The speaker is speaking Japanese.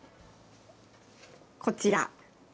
こちら。